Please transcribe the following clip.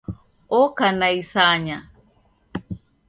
Oka na isanya.